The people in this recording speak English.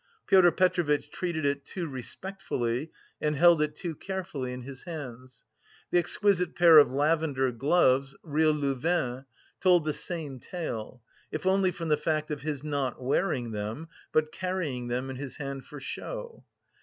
Pyotr Petrovitch treated it too respectfully and held it too carefully in his hands. The exquisite pair of lavender gloves, real Louvain, told the same tale, if only from the fact of his not wearing them, but carrying them in his hand for show.